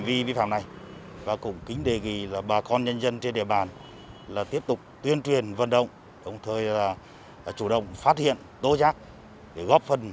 vậy đang có những diễn biến phức tạp